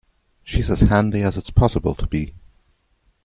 She's as handy as it's possible to be.